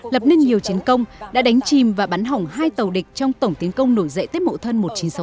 lập nên nhiều chiến công đã đánh chìm và bắn hỏng hai tàu địch trong tổng tiến công nổi dậy tết mộ thân một nghìn chín trăm sáu mươi